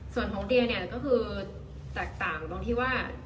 ส่วนของเดียเนี่ยก็คือแตกต่างตรงที่ว่า